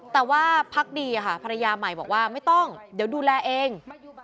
แต่ว่าพักดีค่ะภรรยาใหม่บอกว่าไม่ต้องเดี๋ยวดูแลเอง